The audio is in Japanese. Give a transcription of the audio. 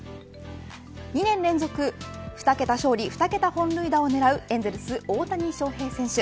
２年連続２桁勝利２桁本塁打を狙うエンゼルス大谷翔平選手。